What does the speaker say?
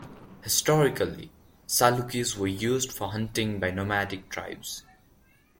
Historically, Salukis were used for hunting by nomadic tribes.